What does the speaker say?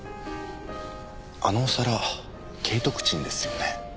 あのお皿景徳鎮ですよね？